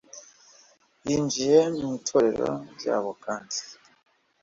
yinjiye mu itorero ryaho kandi